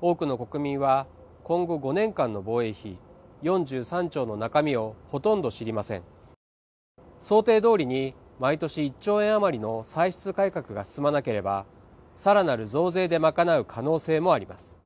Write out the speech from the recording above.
多くの国民は今後５年間の防衛費４３兆の中身をほとんど知りません想定通りに毎年１兆円余りの歳出改革が進まなければさらなる増税で賄う可能性もあります